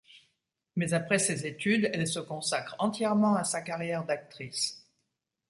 Mais après ses études, elle se consacre entièrement à sa carrière d'actrice.